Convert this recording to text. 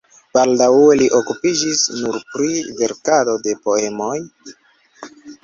Baldaŭe li okupiĝis nur pri verkado de poemoj (pli frue li verkis teatraĵojn).